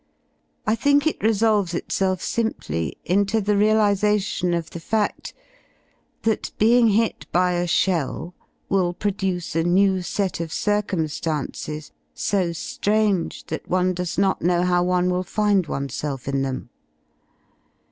I think it resolves itselt simply into the realisation of the fa6l that being hit by a shell will produce a new set of circum^ances so Grange that one does not know how one will find oneself in them.